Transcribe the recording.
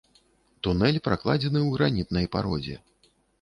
Тунэль пракладзены ў гранітнай пародзе.